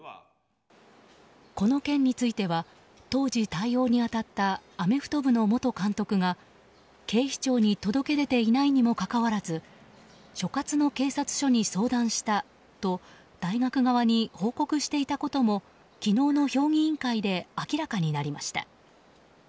この件については当時対応に当たったアメフト部の元監督が警視庁に届け出ていないにもかかわらず所轄の警察署に相談したと大学側に報告していたことも昨日の評議員会で明らかになりました。